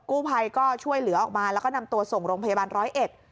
กู้ภัยก็ช่วยเหลือออกมาแล้วก็นำตัวส่งโรงพยาบาลร้อยเอ็ด